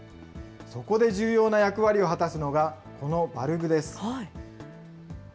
そこで重要な役割を果たすのが、このバルブです。